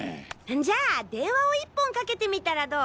じゃあ電話を１本かけてみたらどう？